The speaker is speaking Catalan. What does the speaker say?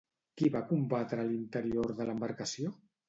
Qui va combatre a l'interior de l'embarcació?